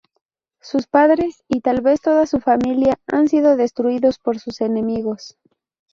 Sus padres y tal vez toda su familia han sido destruidos por sus enemigos.